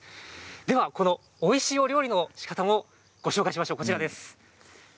では、このおいしいお料理のしかたもご紹介しましょう。